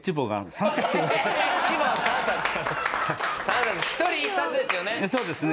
３冊１人１冊ですよね？